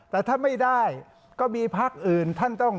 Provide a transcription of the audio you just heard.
แต่ถ้าไม่ได้ก็มีพักอื่นท่านต้อง